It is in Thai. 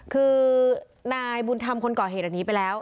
คือนายบุญธรรมคนก่อเหตุอันนี้ไปแล้ว